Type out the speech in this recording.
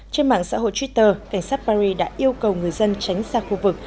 trên mạng xã hội twitter cảnh sát paris đã yêu cầu người dân tránh xa khu vực